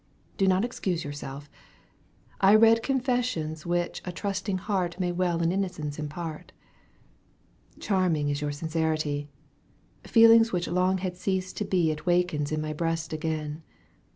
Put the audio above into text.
Do not excuse yourself. I read Confessions which a trusting heart May well in innocence impart. Charming is your sincerity, Feelings which long had ceased to be It wakens in my breast again.